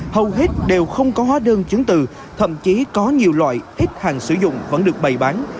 hầu hết đều không có hóa đơn chứng từ thậm chí có nhiều loại ít hàng sử dụng vẫn được bày bán